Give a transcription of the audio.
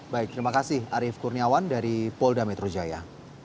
baik terima kasih arief kurniawan dari polda mitrojaya